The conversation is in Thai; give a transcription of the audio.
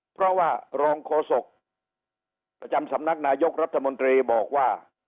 เพราะว่ารองโฆษกประจำสำนักนายกรัฐมนตรีบอกว่า